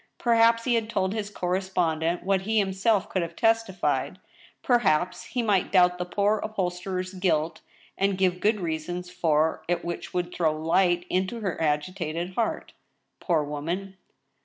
Perhaps he had told his correspondent what he himself could have testified ; perhaps he might doubt the poor upholsterer's guilt, and give good reasons for it which would throw light into her agitated heart— poor woman